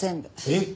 えっ！？